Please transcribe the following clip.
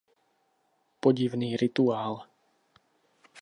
Podivný rituál.